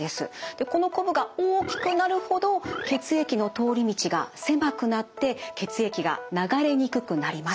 でこのこぶが大きくなるほど血液の通り道が狭くなって血液が流れにくくなります。